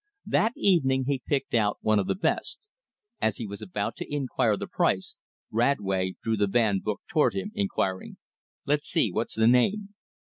That evening he picked out one of the best. As he was about to inquire the price, Radway drew the van book toward him, inquiring, "Let's see; what's the name?"